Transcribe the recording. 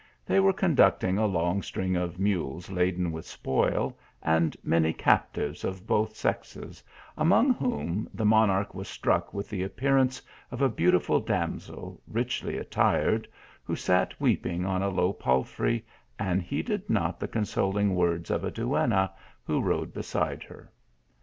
They 182 TEE ALHAMBRA. were conducting a long string of mules laden with spoil, and many captives of both sexes, among whom, the monarch was struck with the appear ance of a beautiful damsel richly attired, who sat weeping, on a low palfrey, and heeded not the con soling words of a duenna, who rode beside her.